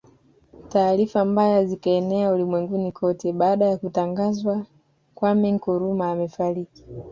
Taarifa mbaya zikaenea ulimwenguni kote baada ya Kutangazwa Kwame Nkrumah Amefariki